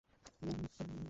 Sorry, Arjun.